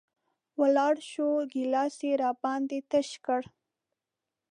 ولاړه شوه، ګېلاس یې د باندې تش کړ